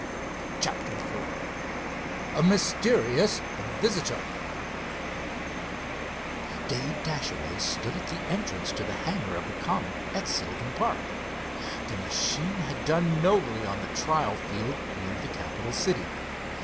CHAPTER IV A MYSTERIOUS VISITOR Dave Dashaway stood at the entrance to the hangar of the Comet at Sylvan Park. The machine had done nobly on the trial field near the Capitol city.